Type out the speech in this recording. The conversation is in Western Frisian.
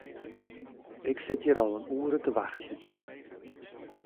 Ik sit hjir al in oere te wachtsjen.